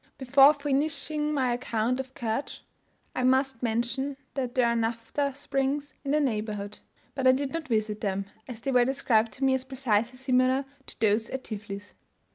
Before finishing my account of Kertsch, I must mention that there are naphtha springs in the neighbourhood; but I did not visit them, as they were described to me as precisely similar to those at Tiflis.